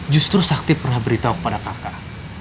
justru sakti pernah beritahu kepada kakak